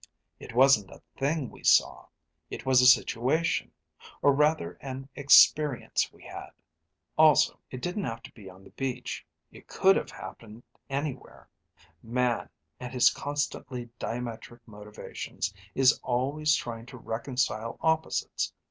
It wasn't a thing we saw, it was a situation, or rather an experience we had. Also, it didn't have to be on the beach. It could have happened anywhere. Man, and his constantly diametric motivations, is always trying to reconcile opposites.